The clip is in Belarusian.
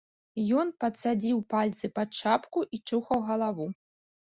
Ён падсадзіў пальцы пад шапку і чухаў галаву.